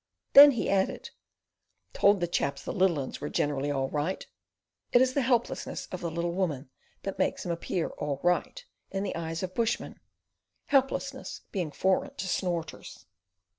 Then he added, "Told the chaps the little 'uns were generally all right." It is the helplessness of little women that makes them appear "all right" in the eyes of bushmen, helplessness being foreign to snorters.